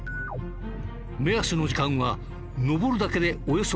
目安の時間は登るだけでおよそ６時間。